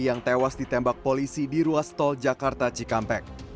yang tewas ditembak polisi di ruas tol jakarta cikampek